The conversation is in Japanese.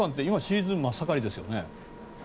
今シーズン真っ盛りですよね。